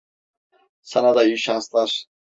Sana da iyi şanslar.